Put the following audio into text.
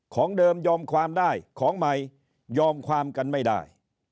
ของเดิมยอมความได้ของใหม่ยอมความกันไม่ได้